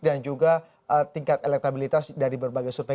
dan juga tingkat elektabilitas dari berbagai survei